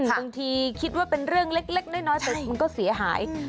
บางทีคิดว่าเป็นเรื่องเล็กน้อยแต่มันก็เสียหาย